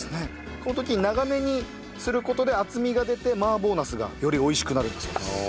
この時に長めにする事で厚みが出て麻婆ナスがより美味しくなるんだそうです。